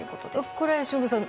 これは由伸さん